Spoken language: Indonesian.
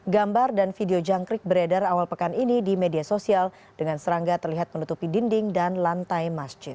gambar dan video jangkrik beredar awal pekan ini di media sosial dengan serangga terlihat menutupi dinding dan lantai masjid